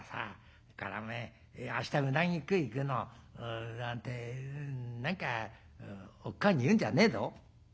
それからおめえ明日うなぎ食い行くのなんて何かおっかあに言うんじゃねえぞ」。